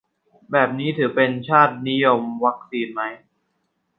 แบบนี้ถือเป็น ชาตินิยมวัคซีน ไหม